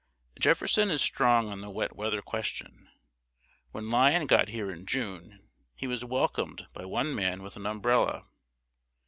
Jefferson is strong on the wet weather question. When Lyon got here in June, he was welcomed by one man with an umbrella.